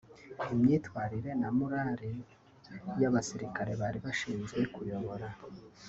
imyitwarire na murali y’abasirikare bari bashinzwe kuyobora